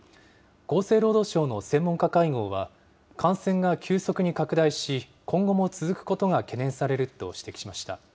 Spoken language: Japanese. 厚生労働省の専門家会合は、感染が急速に拡大し、今後も続くことが懸念されると指摘しました。